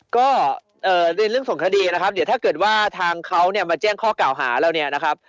ก็ในเรื่องของคดีนะครับเดี๋ยวถ้าเกิดว่าทางเขาเนี่ยมาแจ้งข้อกล่าวหาแล้วเนี่ยนะครับ